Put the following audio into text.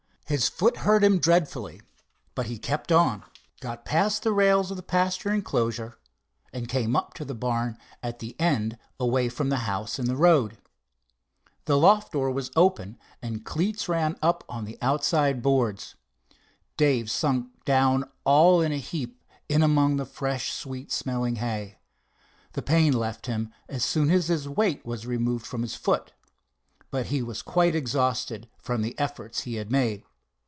His foot hurt him dreadfully, but he kept on, got past the rails of the pasture enclosure, and came up to the barn at the end away from the house and the road. The loft door was open, and cleats ran up on the outside boards. Dave sunk down all in a heap in among the fresh sweet smelling hay. The pain left him as soon as his weight was removed from his foot, but he was quite exhausted from the efforts he had made.